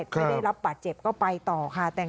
ไม่ได้รับบาดเจ็บก็ไปต่อค่ะ